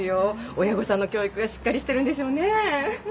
親御さんの教育がしっかりしてるんでしょうね。